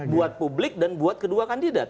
buat publik dan buat kedua kandidat